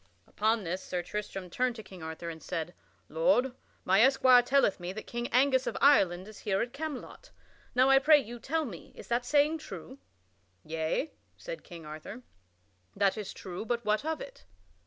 Upon this Sir Tristram turned to King Arthur and said: "Lord, my esquire telleth me that King Angus of Ireland is here at Camelot; now I pray you tell me, is that saying true?" "Yea," said King Arthur, "that is true; but what of it?"